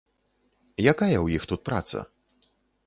Якая ў іх тут праца?